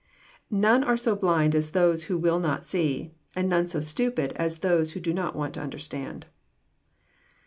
None are so blind as those who will not see, and none so stupid as those who do not want to understand.